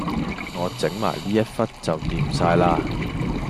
我整埋呢一忽就掂晒喇